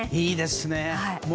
いいですね。